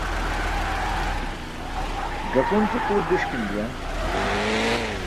Ẓakun ce tur diṣkim juwan.